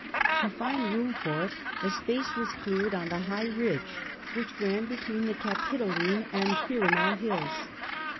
To find room for it a space was cleared on the high ridge which ran between the Capitoline and Quirinal hills.